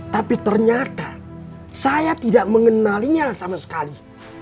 tapi ternyata saya tidak mengenalinya sama sekali